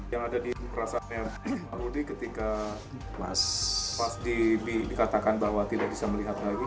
yang ada di perasaan rudy ketika pas dikatakan bahwa tidak bisa melihat lagi